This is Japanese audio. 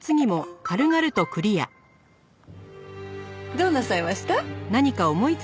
どうなさいました？